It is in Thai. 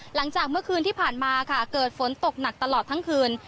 หลังจากเมื่อคืนที่ผ่านมาค่ะเกิดฝนตกหนักตลอดทั้งคืน